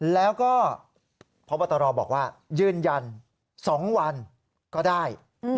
แล้วก็พบตรบอกว่ายืนยัน๒วันก็ได้